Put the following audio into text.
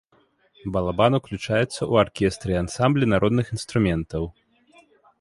Балабан ўключаецца ў аркестры і ансамблі народных інструментаў.